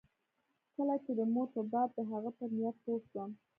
کله چې د مور په باب د هغه پر نيت پوه سوم.